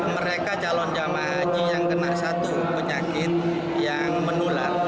mereka calon jemaah haji yang kena satu penyakit yang menular